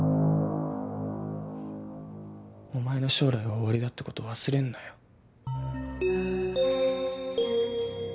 お前の将来は終わりだってこと忘れんなよ。